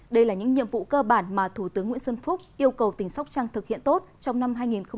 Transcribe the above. đây là những nhiệm vụ cơ bản mà thủ tướng nguyễn xuân phúc yêu cầu tỉnh sóc trăng thực hiện tốt trong năm hai nghìn hai mươi